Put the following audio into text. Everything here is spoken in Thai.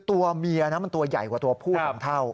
ตัวเมียนะมันตัวใหญ่กว่าตัวผู้บางเท่า